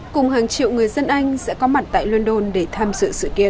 cùng hàng triệu người dân anh sẽ có mặt tại london để tham dự sự kiện